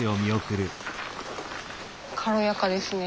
軽やかですね。